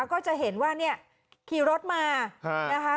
ก็จะเห็นว่าเนี่ยขี่รถมานะคะ